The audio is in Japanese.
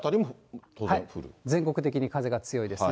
全国的に風が強いですね。